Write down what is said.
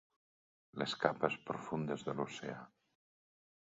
Les capes profundes de l'oceà.